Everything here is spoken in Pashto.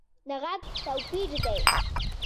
د غږ توپیر دی